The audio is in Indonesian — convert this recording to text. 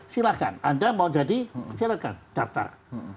silahkan anda mau jadi silakan daftar